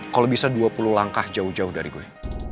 kalau bisa dua puluh langkah jauh jauh dari gue